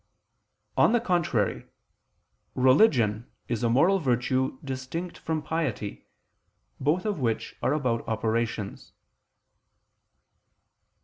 On the contrary, Religion is a moral virtue distinct from piety, both of which are about operations.